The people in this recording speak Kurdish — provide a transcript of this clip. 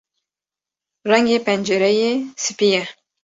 Rengê pencereyê spî ye.